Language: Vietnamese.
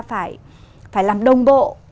phải làm đồng bộ